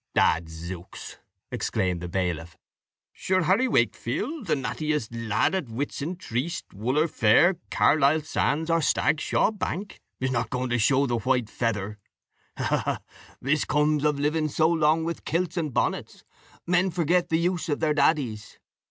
"Adzooks!" exclaimed the bailiff; "sure Harry Wakefield, the nattiest lad at Whitson Tryste, Wooler Fair, Carlisle Sands, or Stagshaw Bank, is not going to show white feather? Ah, this comes of living so long with kilts and bonnets; men forget the use of their daddies."